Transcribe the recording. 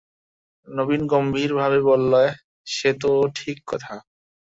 নবীন গম্ভীর ভাবে বললে, সে তো ঠিক কথা।